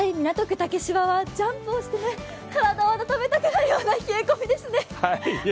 竹芝はジャンプをして体を温めなくなるような冷え込みですね。